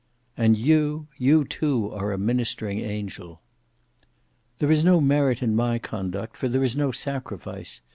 "And you—you too are a ministering angel." "There is no merit in my conduct, for there is no sacrifice.